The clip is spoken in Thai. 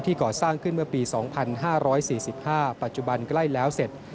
ก่อสร้างขึ้นเมื่อปี๒๕๔๕ปัจจุบันใกล้แล้วเสร็จ